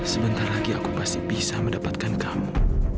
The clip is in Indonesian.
sebentar lagi aku pasti bisa mendapatkan kamu